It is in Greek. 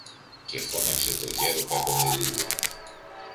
Και φώναξε το γερο-Κακομοιρίδη